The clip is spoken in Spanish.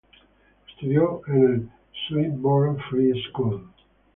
Estudió en el Swinburne Free School.